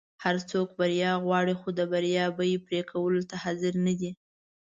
هر څوک بریا غواړي خو د بریا بیی پری کولو ته حاضر نه دي.